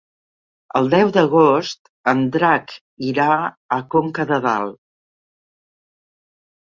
El deu d'agost en Drac irà a Conca de Dalt.